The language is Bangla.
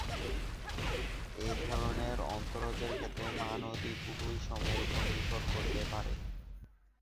এ ধরনের অন্তরজের ক্ষেত্রে মান ও দিক উভয়ই সময়ের উপর নির্ভর করতে পারে।